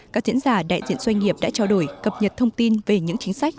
các diễn giả đại diện doanh nghiệp đã trao đổi cập nhật thông tin về những chính sách